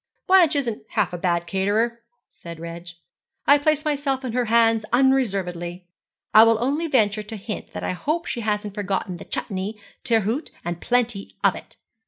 'Blanche isn't half a bad caterer,' said Reg. 'I place myself in her hands unreservedly; I will only venture to hint that I hope she hasn't forgotten the chutnee, Tirhoot, and plenty of it.